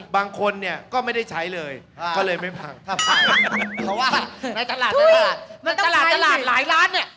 บางคนเนี่ยก็ไม่ได้ใช้เลยก็เลยไม่พังถ้าพังเพราะว่าในตลาดตลาดหลายร้านเนี่ย